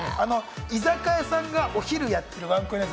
居酒屋さんがお昼にやっているワンコインランチ。